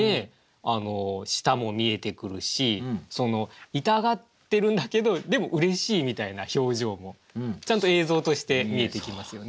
舌も見えてくるし痛がってるんだけどでもうれしいみたいな表情もちゃんと映像として見えてきますよね。